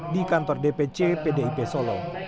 di kantor dpc pdip solo